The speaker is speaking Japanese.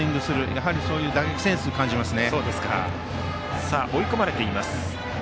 やはり打撃センスを感じます。